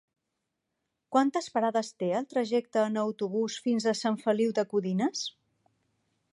Quantes parades té el trajecte en autobús fins a Sant Feliu de Codines?